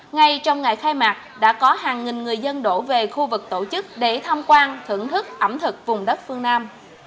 ngay trong ngày khai mạc đã có hàng nghìn người dân đổ về khu vực tổ chức để tham quan thưởng thức ẩm thực vùng đất phương nam